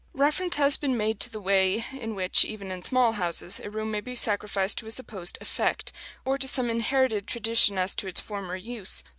Reference has been made to the way in which, even in small houses, a room may be sacrificed to a supposed "effect," or to some inherited tradition as to its former use.